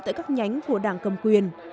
tại các nhánh của đảng cầm quyền